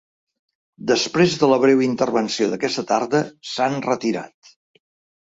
Després de la breu intervenció d’aquesta tarda, s’han retirat.